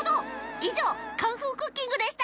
いじょう「カンフークッキング」でした！